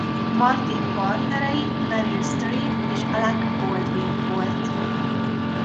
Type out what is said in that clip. Martin partnerei Meryl Streep és Alec Baldwin volt.